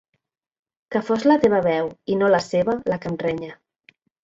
Que fos la teva veu i no la seva, la que em renya.